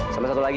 sama satu lagi